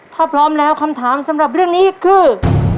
ถ้าพร้อมแล้วคำถามสำหรับเรื่องนี้คือ